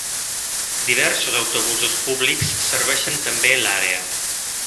Diversos autobusos públics serveixen també l'àrea.